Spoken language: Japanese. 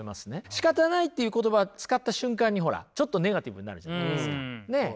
しかたないという言葉使った瞬間にほらちょっとネガティブになるじゃないですか。ね。